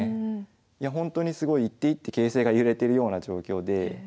いやほんとにすごい一手一手形勢が揺れてるような状況で。